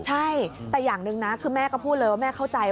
ใช่แต่อย่างหนึ่งนะคือแม่ก็พูดเลยว่าแม่เข้าใจ